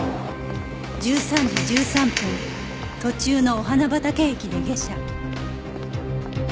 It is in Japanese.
１３時１３分途中の御花畑駅で下車